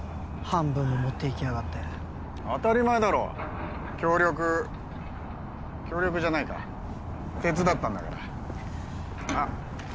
半分も持っていきやがって当たり前だろ協力協力じゃないか手伝ったんだからあっ